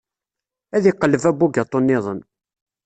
Ad d-iqelleb abugaṭu niḍen.